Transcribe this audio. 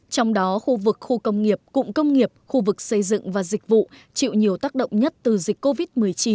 trong đó khu vực khu công nghiệp cụm công nghiệp khu vực xây dựng và dịch vụ chịu nhiều tác động nhất từ dịch covid một mươi chín